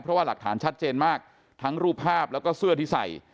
เพราะว่าหลักฐานชัดเจนมากทั้งรูปภาพแล้วก็เสื้อที่ใส่